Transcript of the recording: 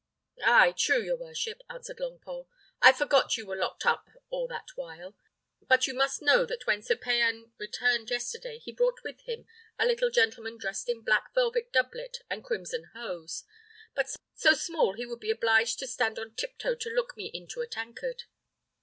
"Ay, true, your worship," answered Longpole. "I forgot you were locked up all that while. But you must know that when Sir Payan returned yesterday he brought with him a little gentleman dressed in a black velvet doublet and crimson hose; but so small, so small he would be obliged to stand on tip toe to look me into a tankard.